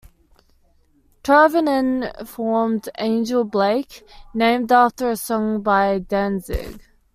Tervonen formed Angel Blake, named after a song by Danzig.